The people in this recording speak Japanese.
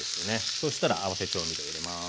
そうしたら合わせ調味料入れます。